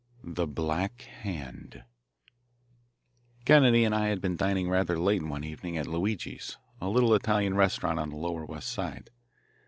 The Black Hand Kennedy and I had been dining rather late one evening at Luigi's, a little Italian restaurant on the lower West Side.